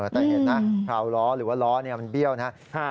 แต่เห็นนะคราวล้อหรือว่าล้อมันเบี้ยวนะ